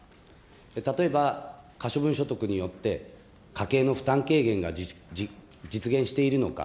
例えば、可処分所得によって、家計の負担軽減が実現しているのか。